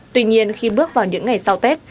tuy nhiên khi bước vào những ngày sau tết